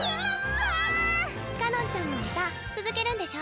かのんちゃんも歌続けるんでしょ？